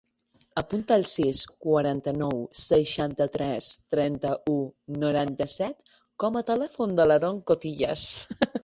Apunta el sis, quaranta-nou, seixanta-tres, trenta-u, noranta-set com a telèfon de l'Aaron Cotillas.